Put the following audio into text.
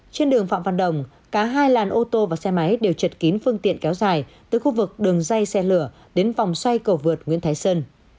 trên đường phạm văn đồng cả hai làn ô tô và xe máy đều chật kín phương tiện kéo dài từ khu vực đường dây xe lửa đến vòng xoay cầu vượt nguyễn thái sơn